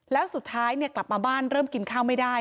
แล้วสุดท้ายกลับมาบ้านเริ่มกินข้าวไม่ได้